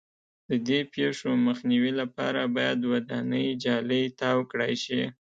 د دې پېښو مخنیوي لپاره باید ودانۍ جالۍ تاو کړای شي.